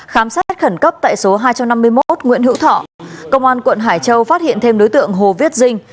khám xét khẩn cấp tại số hai trăm năm mươi một nguyễn hữu thọ công an quận hải châu phát hiện thêm đối tượng hồ viết dinh